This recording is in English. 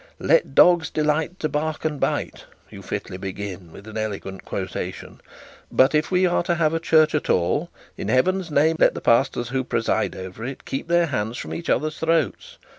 "Let dogs delight to bark and bite;" you fitly began with an elegant quotation; "but if we are to have a church at all, in heaven's name let the pastors who preside over it keep their hands from each other's throats.